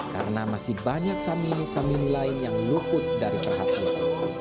karena masih banyak samini samini lain yang luput dari perhatian